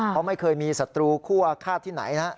เพราะไม่เคยมีศัตรูคั่วอาฆาตที่ไหนนะฮะ